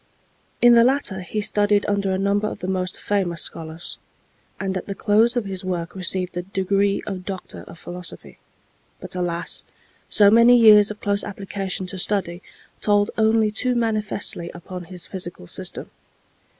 In the latter he studied under a number of the most famous scholars, and at the close of his work received the degree of Doctor of Philosophy. But, alas! so many years of close application to study told only too manifestly upon his physical system.